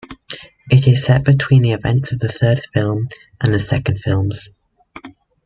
It is set between the events of third film and second films.